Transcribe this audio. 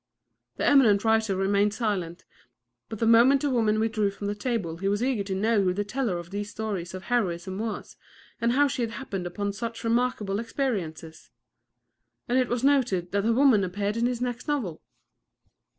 The eminent writer remained silent, but the moment the woman withdrew from the table he was eager to know who the teller of these stories of heroism was and how she had happened upon such remarkable experiences; and it was noted that a woman appeared in his next novel!